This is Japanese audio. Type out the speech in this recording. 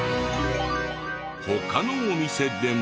他のお店でも。